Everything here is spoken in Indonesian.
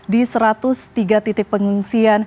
di satu ratus tiga titik pengungsian